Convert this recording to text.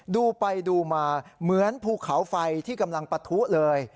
ดูไปดูมาเหมือนภูเขาไฟที่กำลังปะทุเลย